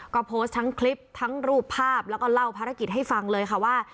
ก็โพสต์ทั้งคลิปทั้งรูปภาพแล้วก็เล่าภารกิจให้ฟังเลยค่ะว่า